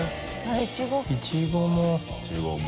イチゴも。